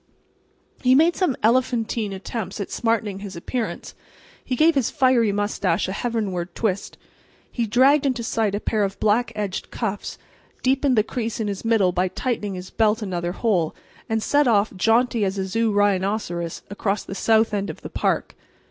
He made some elephantine attempts at smartening his appearance. He gave his fiery mustache a heavenward twist; he dragged into sight a pair of black edged cuffs, deepened the crease in his middle by tightening his belt another hole, and set off, jaunty as a zoo rhinoceros, across the south end of the park.